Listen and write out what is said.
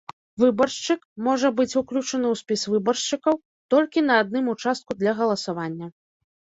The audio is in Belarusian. Выбаршчык можа быць уключаны ў спіс выбаршчыкаў толькі на адным участку для галасавання.